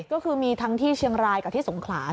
ก็คือมีทั้งที่เชียงรายกับที่สงขลา